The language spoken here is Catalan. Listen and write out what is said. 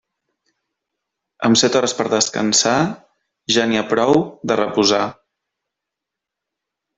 Amb set hores per a descansar, ja n'hi ha prou de reposar.